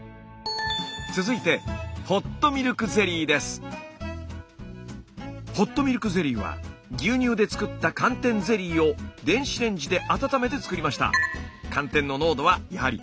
続いてホットミルクゼリーは牛乳で作った寒天ゼリーを電子レンジで温めて作りました。